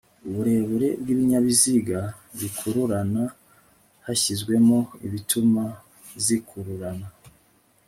uburebure bw ibinyabiziga bikururana hashyizwemo ibituma zikururana